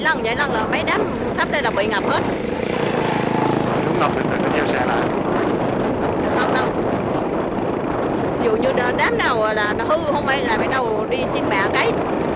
dù như đám nào là hư hôm nay là phải đầu đi xin mạ cái